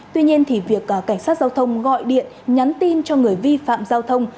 tuy nhiên thì việc cảnh sát giao thông gọi điện nhắn tin cho người vi phạm giao thông